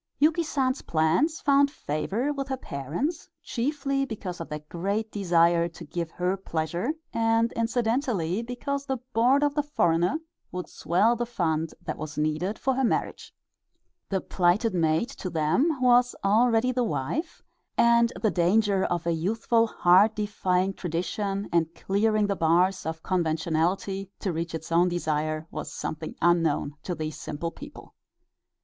Yuki San's plans found favor with her parents, chiefly because of their great desire to give her pleasure, and incidentally because the board of the foreigner would swell the fund that was needed for her marriage. The plighted maid to them was already the wife, and the danger of a youthful heart defying tradition and clearing the bars of conventionality to reach its own desire was something unknown to these simple people.